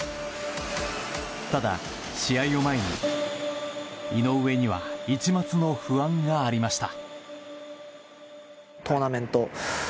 ただ、試合を前に、井上には一抹の不安がありました。